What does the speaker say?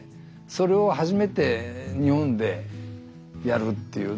それを初めて日本でやるっていう。